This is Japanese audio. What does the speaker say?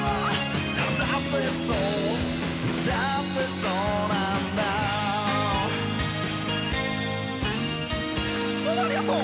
どうもありがとう！